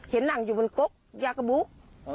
เห็นหนังอยู่บนก๊กยากบุ๊ก